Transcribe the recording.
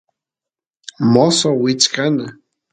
mosoq wichkana